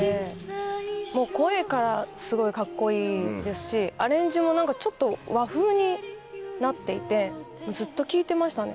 もう声からすごいカッコいいですしアレンジもちょっと和風になっていてずっと聴いてましたね。